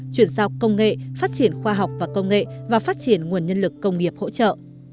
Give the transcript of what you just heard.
chuyển giao công nghệ phát triển khoa học và công nghệ và phát triển nguồn nhân lực công nghiệp hỗ trợ